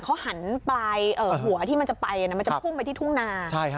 เขาหันปลายหัวที่มันจะไปมันจะพุ่งไปที่ทุ่งนา